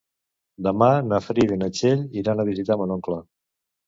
Demà na Frida i na Txell iran a visitar mon oncle.